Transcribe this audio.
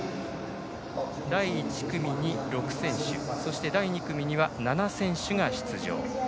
第１組に６選手第２組には７選手が出場。